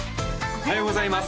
おはようございます